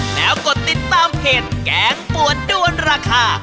แล้วกดติดตามเพจแกงปวดด้วนราคา